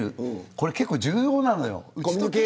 これ結構、重要なのよ。